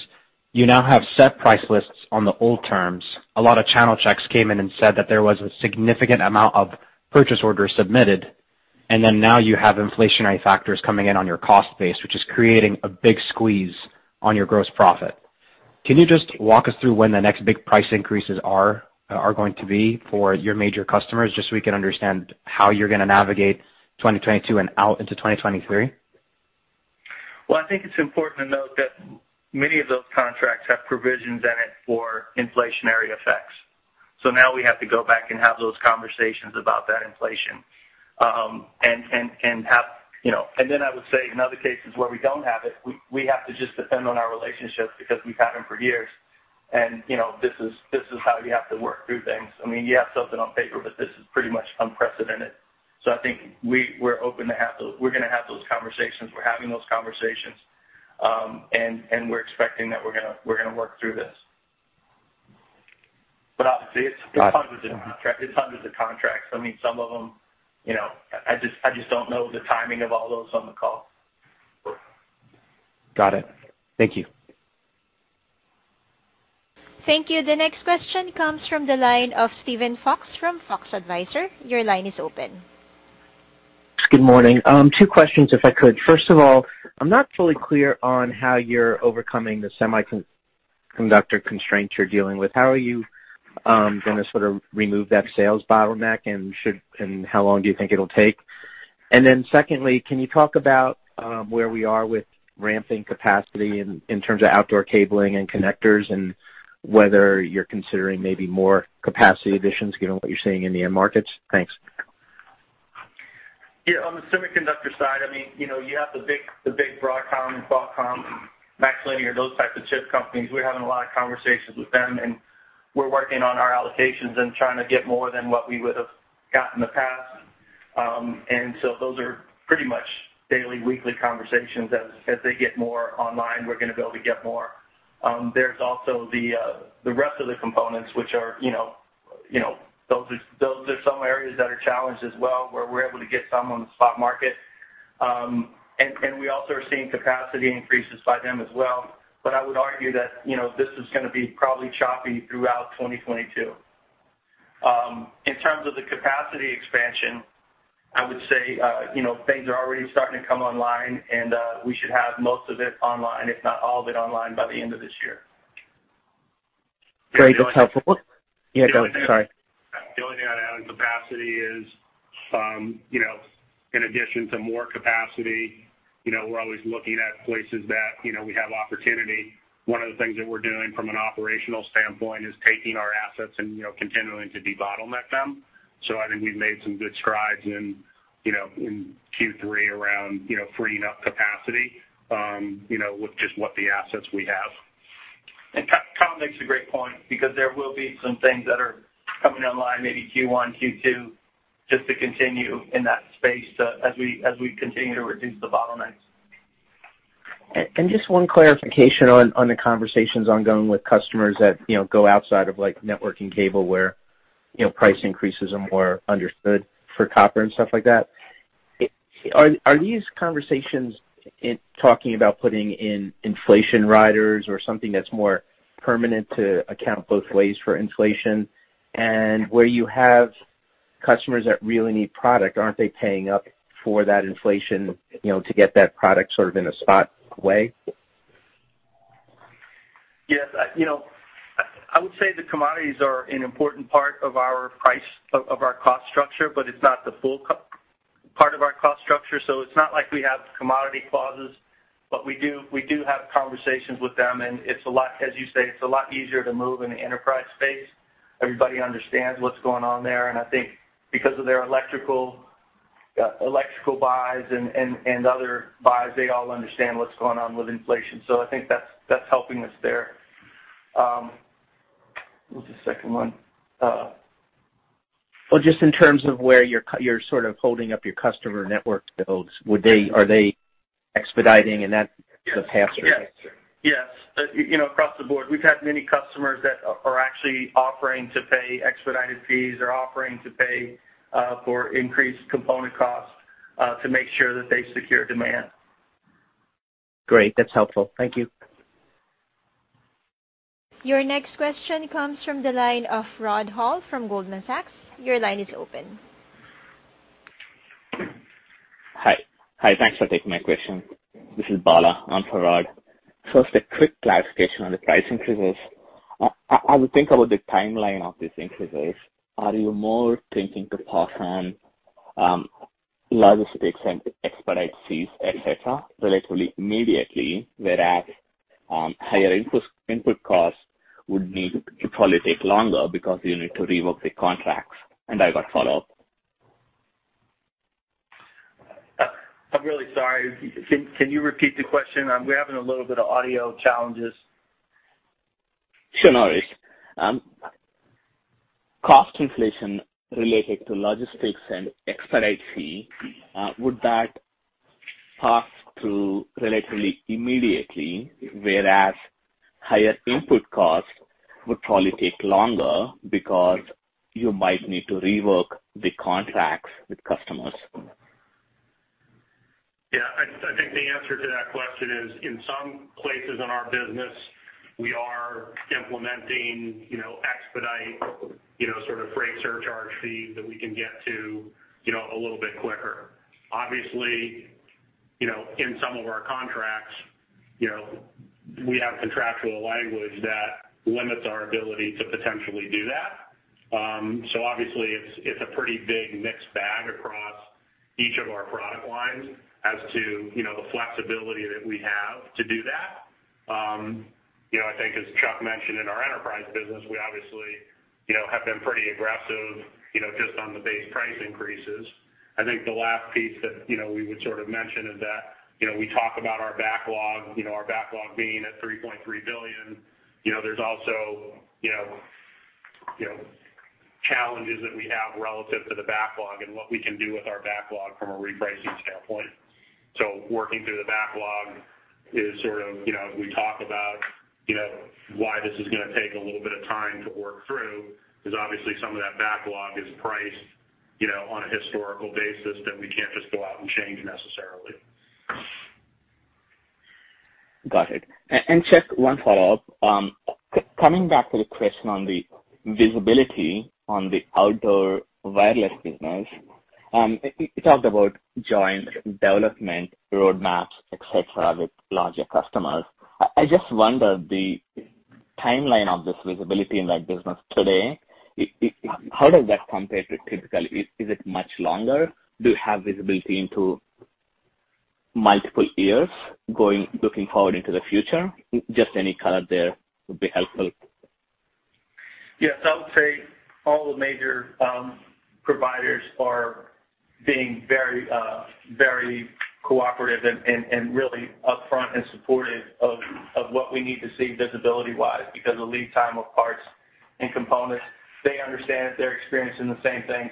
you now have set price lists on the old terms. A lot of channel checks came in and said that there was a significant amount of purchase orders submitted Now you have inflationary factors coming in on your cost base, which is creating a big squeeze on your gross profit. Can you just walk us through when the next big price increases are going to be for your major customers, just so we can understand how you're going to navigate 2022 and out into 2023? Well, I think it's important to note that many of those contracts have provisions in it for inflationary effects. Now we have to go back and have those conversations about that inflation. I would say in other cases where we don't have it, we have to just depend on our relationships because we've had them for years, and this is how you have to work through things. You have something on paper, this is pretty much unprecedented. I think we're going to have those conversations. We're having those conversations. We're expecting that we're going to work through this. Obviously, it's hundreds of contracts. Some of them, I just don't know the timing of all those on the call. Got it. Thank you. Thank you. The next question comes from the line of Steven Fox from Fox Advisors. Your line is open. Good morning. Two questions, if I could. First of all, I'm not totally clear on how you're overcoming the semiconductor constraint you're dealing with. How are you going to sort of remove that sales bottleneck, and how long do you think it'll take? Secondly, can you talk about where we are with ramping capacity in terms of outdoor cabling and connectors, and whether you're considering maybe more capacity additions given what you're seeing in the end markets? Thanks. Yeah, on the semiconductor side, you have the big Broadcom, Qualcomm, MaxLinear, those types of chip companies. We're having a lot of conversations with them, and we're working on our allocations and trying to get more than what we would've got in the past. So those are pretty much daily, weekly conversations. As they get more online, we're going to be able to get more. There's also the rest of the components, those are some areas that are challenged as well, where we're able to get some on the spot market. We also are seeing capacity increases by them as well. I would argue that this is going to be probably choppy throughout 2022. In terms of the capacity expansion, I would say things are already starting to come online, and we should have most of it online, if not all of it online by the end of this year. Great. That's helpful. Yeah, go ahead. Sorry. The only thing I'd add on capacity is, in addition to more capacity, we're always looking at places that we have opportunity. One of the things that we're doing from an operational standpoint is taking our assets and continuing to debottleneck them. I think we've made some good strides in Q3 around freeing up capacity with just what the assets we have. Kyle makes a great point because there will be some things that are coming online, maybe Q1, Q2, just to continue in that space as we continue to reduce the bottlenecks. Just one clarification on the conversations ongoing with customers that go outside of networking cable where price increases are more understood for copper and stuff like that. Are these conversations talking about putting in inflation riders or something that's more permanent to account both ways for inflation? Where you have customers that really need product, aren't they paying up for that inflation to get that product sort of in a spot way? Yes. I would say the commodities are an important part of our cost structure, but it's not the full part of our cost structure. It's not like we have commodity clauses, but we do have conversations with them, and as you say, it's a lot easier to move in the enterprise space. Everybody understands what's going on there. I think because of their electrical buys and other buys, they all understand what's going on with inflation. I think that's helping us there. What was the second one? Well, just in terms of where you're sort of holding up your customer network builds. Are they expediting in that capacity? Yes. Across the board, we've had many customers that are actually offering to pay expedited fees or offering to pay for increased component costs to make sure that they secure demand. Great. That's helpful. Thank you. Your next question comes from the line of Rod Hall from Goldman Sachs. Your line is open. Hi. Thanks for taking my question. This is Bala on for Rod. First, a quick clarification on the price increases. As we think about the timeline of these increases, are you more thinking to pass on logistics and expedite fees, et cetera, relatively immediately, whereas higher input costs would need to probably take longer because you need to revoke the contracts? I got a follow-up. I'm really sorry. Can you repeat the question? We're having a little bit of audio challenges. Sure, no worries. Cost inflation related to logistics and expedite fee, would that pass through relatively immediately, whereas higher input costs would probably take longer because you might need to rework the contracts with customers? I think the answer to that question is, in some places in our business, we are implementing expedite, sort of freight surcharge fee that we can get to a little bit quicker. Obviously, in some of our contracts, we have contractual language that limits our ability to potentially do that. Obviously it's a pretty big mixed bag across each of our product lines as to the flexibility that we have to do that. I think as Chuck mentioned, in our enterprise business, we obviously have been pretty aggressive just on the base price increases. I think the last piece that we would sort of mention is that we talk about our backlog being at $3.3 billion. There's also challenges that we have relative to the backlog and what we can do with our backlog from a repricing standpoint. Working through the backlog is sort of, we talk about why this is going to take a little bit of time to work through, because obviously some of that backlog is priced on a historical basis that we can't just go out and change necessarily. Got it. Chuck, one follow-up. Coming back to the question on the visibility on the outdoor wireless business, you talked about joint development roadmaps, et cetera, with larger customers. I just wonder the timeline of this visibility in that business today, how does that compare to typical? Is it much longer? Do you have visibility into multiple years looking forward into the future? Just any color there would be helpful. Yes, I would say all the major providers are being very cooperative and really upfront and supportive of what we need to see visibility-wise, because of lead time of parts and components. They understand that they're experiencing the same thing.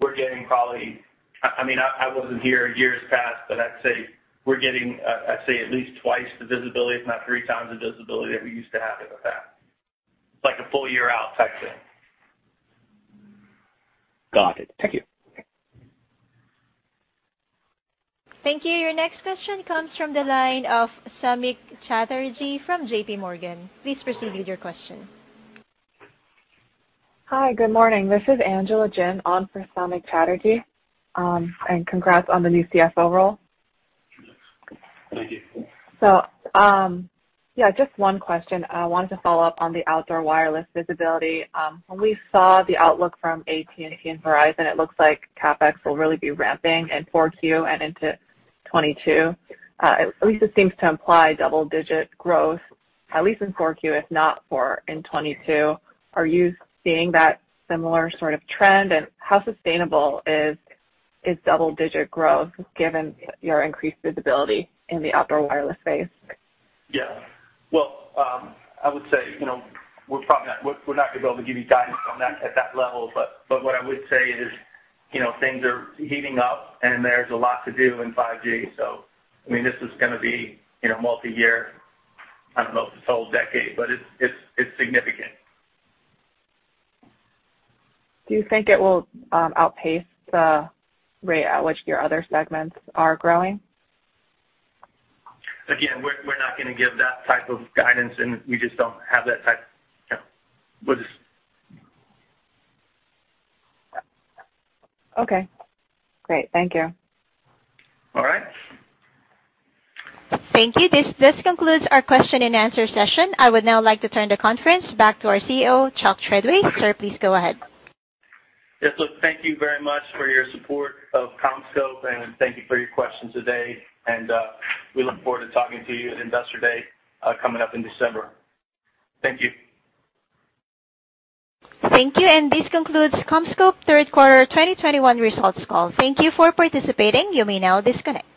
We're getting probably, I wasn't here years past, but I'd say we're getting at least twice the visibility, if not three times the visibility that we used to have in the past. Like a full year out type thing. Got it. Thank you. Thank you. Your next question comes from the line of Samik Chatterjee from J.P. Morgan. Please proceed with your question. Hi, good morning. This is Angela Jin on for Samik Chatterjee. Congrats on the new CFO role. Thanks. Thank you. Yeah, just one question. I wanted to follow up on the outdoor wireless visibility. When we saw the outlook from AT&T and Verizon, it looks like CapEx will really be ramping in 4Q and into 2022. At least it seems to imply double-digit growth, at least in 4Q, if not in 2022. Are you seeing that similar sort of trend, and how sustainable is double-digit growth given your increased visibility in the outdoor wireless space? Yeah. Well, I would say, we're not going to be able to give you guidance on that at that level. What I would say is, things are heating up and there's a lot to do in 5G. This is going to be multi-year, I don't know if it's a whole decade, but it's significant. Do you think it will outpace the rate at which your other segments are growing? Again, we're not going to give that type of guidance and we just don't have that type. Okay, great. Thank you. All right. Thank you. This concludes our question and answer session. I would now like to turn the conference back to our CEO, Chuck Treadway. Sir, please go ahead. Look, thank you very much for your support of CommScope and thank you for your questions today and we look forward to talking to you at Investor Day, coming up in December. Thank you. Thank you. This concludes CommScope third quarter 2021 results call. Thank you for participating. You may now disconnect.